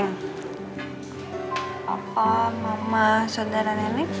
bapak mama saudara